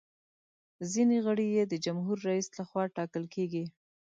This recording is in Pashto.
ځینې غړي یې د جمهور رئیس لخوا ټاکل کیږي.